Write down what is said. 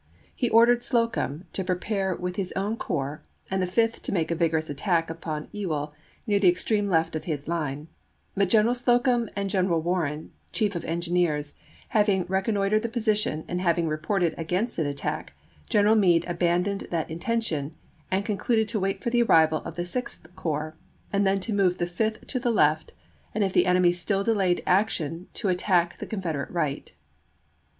He or dered Slocum to prepare with his own corps and the Fifth to make a vigorous attack upon Ewell near the extreme left of his line; but General Slocum and General Warren, Chief of Engineers, having reconnoitered the position and having reported against an attack, General Meade abandoned that intention and concluded to wait for the arrival of the Sixth Corps, and then to move the Fifth to the left, and if the enemy still delayed action to attack the Confederate right.